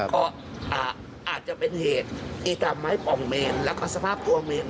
ก็อาจจะเป็นเหตุอีตาไม้ป่องเมนแล้วก็สภาพตัวเมน